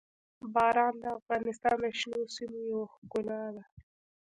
باران د افغانستان د شنو سیمو یوه ښکلا ده.